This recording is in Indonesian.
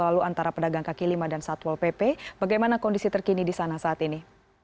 lalu antara pedagang kaki lima dan satpol pp bagaimana kondisi terkini di sana saat ini